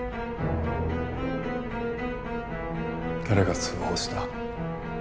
誰が通報した。